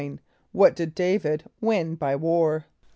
= What did D[=a]´vid win by war?